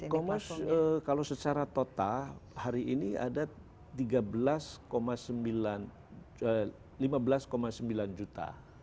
e commerce kalau secara total hari ini ada tiga belas lima belas sembilan juta